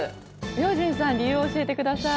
明神さん理由を教えてください。